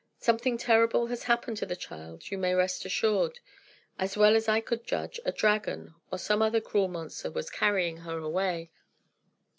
Something terrible has happened to the child, you may rest assured. As well as I could judge, a dragon, or some other cruel monster, was carrying her away."